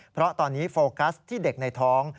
เพราะตอนนี้โฟกัสที่เด็กในท้อง